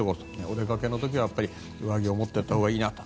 お出かけの時は上着を持って行ったほうがいいなと。